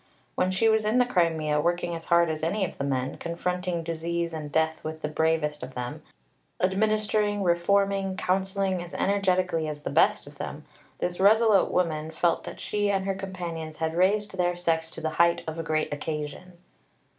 When she was in the Crimea, working as hard as any of the men, confronting disease and death with the bravest of them, administering, reforming, counselling as energetically as the best of them, this resolute woman felt that she and her companions had raised their sex to the height of a great occasion.